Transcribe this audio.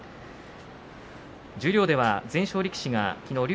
十両では全勝力士がきのう竜